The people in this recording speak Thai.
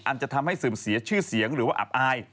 จะทำให้เสื่อมเสียชื่อเสียงหรือว่าอับอาย